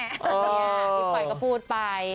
พี่ควายก็พูดไป